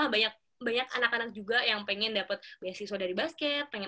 aku yakin lah banyak anak anak juga yang pengen dapat beasiswa dari basket